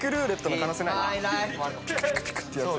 ピクピクピクッてやつ。